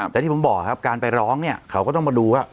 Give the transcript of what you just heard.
แต่ที่ผมบอกครับการไปร้องเนี่ยเขาก็ต้องมาดูว่า